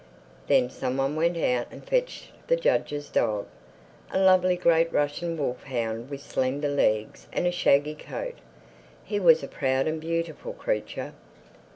Then someone went out and fetched the judge's dog, a lovely great Russian wolf hound with slender legs and a shaggy coat. He was a proud and beautiful creature.